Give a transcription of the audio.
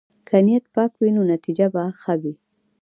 که نیت پاک وي، نو نتیجه به ښه وي.